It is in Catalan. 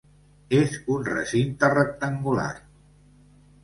És un recinte rectangular.